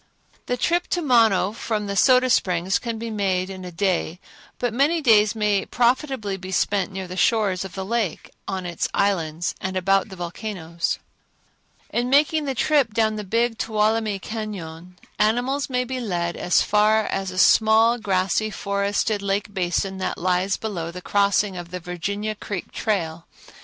The trip to Mono from the Soda Springs can be made in a day, but many days may profitably be spent near the shores of the lake, out on its islands and about the volcanoes. In making the trip down the Big Tuolumne Cañon, animals may be led as far as a small, grassy, forested lake basin that lies below the crossing of the Virginia Creek trail.